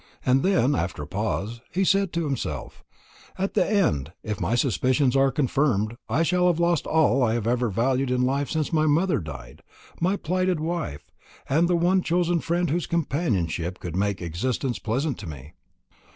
And then, after a pause, he said to himself, "And at the end, if my suspicions are confirmed, I shall have lost all I have ever valued in life since my mother died my plighted wife, and the one chosen friend whose companionship could make existence pleasant to me.